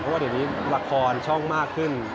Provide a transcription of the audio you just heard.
เพราะว่าเดี๋ยวนี้ละครช่องมากขึ้น